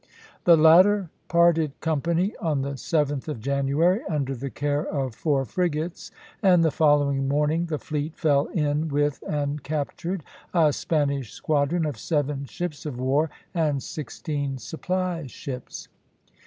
The latter parted company on the 7th of January, under the care of four frigates, and the following morning the fleet fell in with and captured a Spanish squadron of seven ships of war and sixteen supply ships.